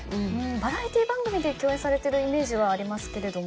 バラエティー番組で共演されてるイメージはありますけれども。